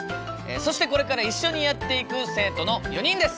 そしてこれから一緒にやっていく生徒の４人です！